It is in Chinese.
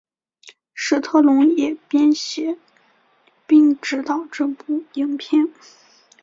史特龙也编写并执导这部影片。